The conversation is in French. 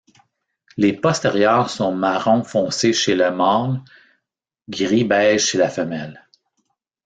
Les postérieurs sont marron foncé chez le mâle gris beige chez la femelle.